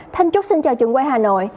thành trúc xin chào trường quay hà nội